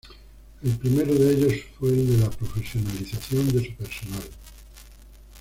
El primero de ellos fue el de la profesionalización de su personal.